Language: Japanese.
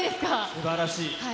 すばらしい。